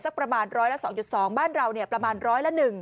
ประมาณร้อยละ๒๒บ้านเราประมาณร้อยละ๑